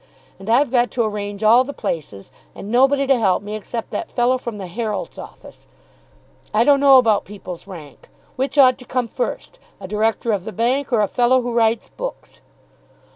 And I've got to arrange all the places, and nobody to help me except that fellow from the Herald's office. I don't know about people's rank. Which ought to come first: a director of the bank or a fellow who writes books?"